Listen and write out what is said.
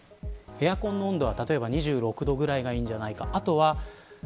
エアコンの温度は例えば２６度ぐらいがいいんじゃないか。